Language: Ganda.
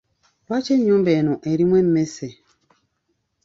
Lwaki ennyuba eno erimu emmese?